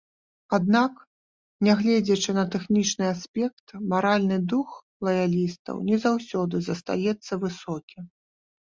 Аднак нягледзячы на тэхнічны аспект, маральны дух лаялістаў не заўсёды застаецца высокім.